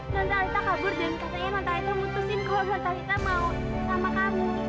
nontalita kabur dan katanya nontalita memutuskan kalau nontalita mau sama kamu